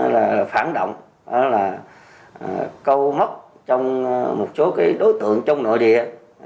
là phản động đó là câu mốc trong một số cái đối tượng trong nội địa